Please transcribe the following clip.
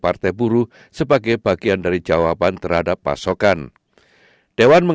kita harus memiliki perusahaan yang lebih penting